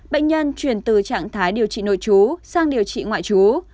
bệnh nhân chuyển từ trạng thái điều trị nội chú sang điều trị ngoại chú